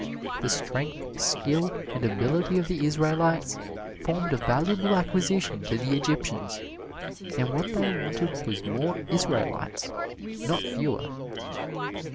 The strength, skill and ability of the Israelites formed a valuable acquisition to the Egyptians, and what they wanted was more Israelites, not fewer.